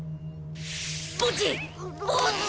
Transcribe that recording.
ボッジ！